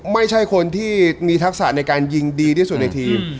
ไม่ใช่คนที่มีทักษะในการยิงดีที่สุดในทีม